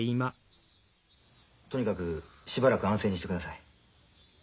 とにかくしばらく安静にしてください。